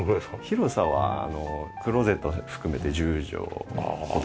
広さはクローゼット含めて１０畳ほどになります。